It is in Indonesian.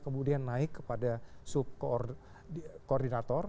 kemudian naik kepada sub koordinator